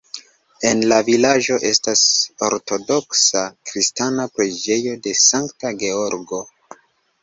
En la vilaĝo estas ortodoksa kristana preĝejo de Sankta Georgo.